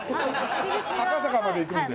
赤坂まで行くんで。